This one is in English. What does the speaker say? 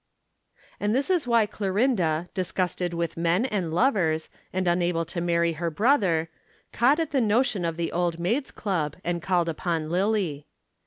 And this was why Clorinda, disgusted with men and lovers, and unable to marry her brother, caught at the notion of the Old Maids' Club and called upon Lillie.